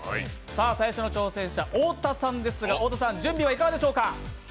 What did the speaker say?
最初の挑戦者、太田さんですが準備はいかがでしょうか？